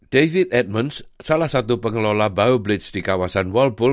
david edmonds salah satu pengelola bow bridge di kawasan walpole